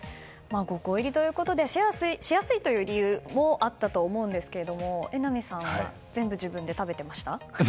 ５個入りということでシェアしやすいという理由もあったと思うんですけれども榎並さんは全部自分で。